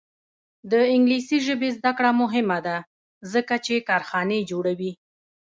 د انګلیسي ژبې زده کړه مهمه ده ځکه چې کارخانې جوړوي.